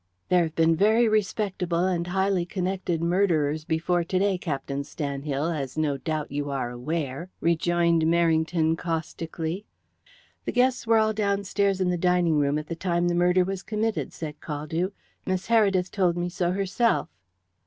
"There have been very respectable and highly connected murderers before to day, Captain Stanhill, as no doubt you are aware," rejoined Merrington caustically. "The guests were all downstairs in the dining room at the time the murder was committed," said Caldew. "Miss Heredith told me so herself."